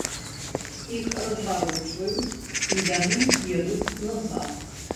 Іх разварочваюць, і яны едуць назад.